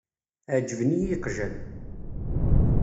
Ɛeǧben-iyi yeqjan.